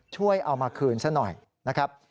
ช่วยเอามาคืนซะหน่อยนะครับ